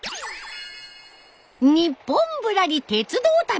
「ニッポンぶらり鉄道旅」。